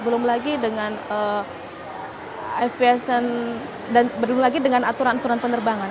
belum lagi dengan aturan aturan penerbangan